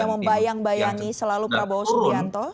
yang membayang bayangi selalu prabowo subianto